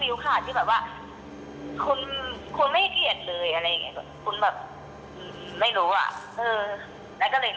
หนูก็ให้เขาเกรงใจอะพี่คือปกติหนูจะไหว้แล้ว